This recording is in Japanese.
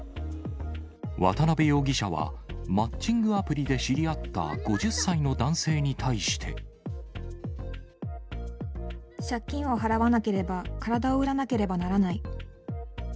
渡辺容疑者はマッチングアプリで知り合った５０歳の男性に対して。借金を払わなければ、体を売らなければならない。